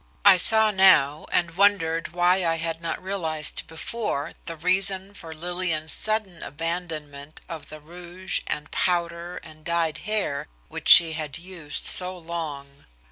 I saw now, and wondered why I had not realized before the reason for Lillian's sudden abandonment of the rouge and powder and dyed hair which she had used so long.